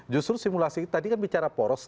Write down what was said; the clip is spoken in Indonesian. justru simulasi tadi kan bicara poros